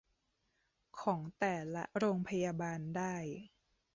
ของแต่ละโรงพยาบาลได้